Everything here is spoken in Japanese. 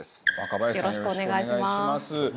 よろしくお願いします。